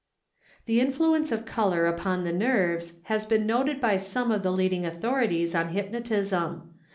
The influence of color upon the nerves has been noted by some of the leading authorities on hypnotism.